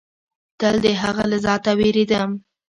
تل د هغه له ذاته وېرېدم.